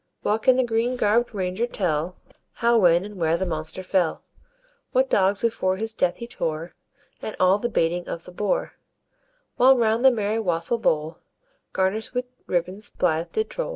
Well can the green garb'd ranger tell How, when, and where the monster fell; What dogs before his death he tore, And all the baiting of the boar; While round the merry wassel bowl, Garnish'd with ribbons, blithe did trowl.